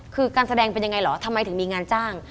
คือการแสดงเป็นยังไงเหรอทำไมถึงมีงานจ้าง